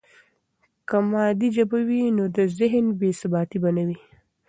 که مادي ژبه وي، نو د ذهن بې ثباتي به نه وي.